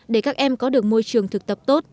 để các em có được môi trường thực tập tốt